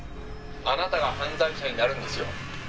「あなたが犯罪者になるんですよ」